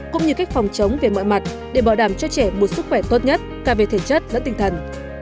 cũng như cách phòng chống về mọi mặt để bảo đảm cho trẻ một sức khỏe tốt nhất cả về thể chất lẫn tinh thần